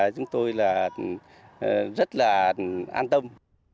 chúng tôi rất là an tâm